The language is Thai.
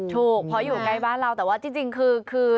ถูกเพราะอยู่ใกล้บ้านเราแต่ว่าจริงคือ